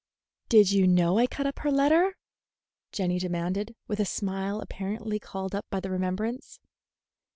"Did you know I cut up her letter?" Jenny demanded, with a smile apparently called up by the remembrance.